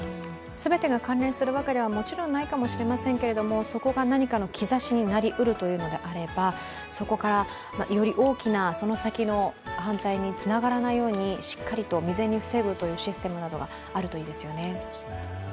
全てが関連するわけではもちろんないかもしれないですけれども、そこが何かの兆しになりうるというのであればそこから、より大きなその先の犯罪につながらないようにしっかりと未然に防ぐというシステムがあるといいですよね。